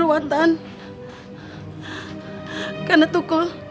kita tidak boleh pergi couldact